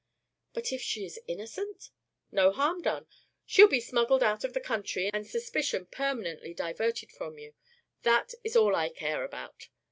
"But if she is innocent?" "No harm done. She'll be smuggled out of the country and suspicion permanently diverted from you. That is all I care about."